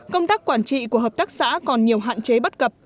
công tác quản trị của hợp tác xã còn nhiều hạn chế bất cập